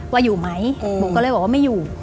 ว่าอยู่ไหมโบก็เลยบอกว่าไม่อยู่